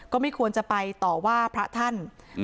ก็ไม่ควรจะไปต่อว่าพระท่าน